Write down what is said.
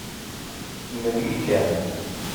Melmi kan.